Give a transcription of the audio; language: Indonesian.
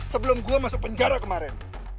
sebelum gue masuk penjara kemarin